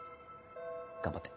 頑張って。